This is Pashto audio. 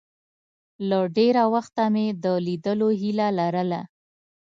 له ډېره وخته مې د لیدلو هیله لرله.